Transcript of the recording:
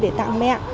để tặng mẹ